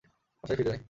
বাসায় ফিরে আয়।